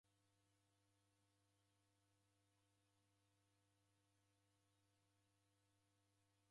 Ndekune haja ingi ekaba chukeleghele.